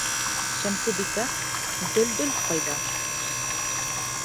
Шәмсебикә, Дөлдөл ҡайҙа?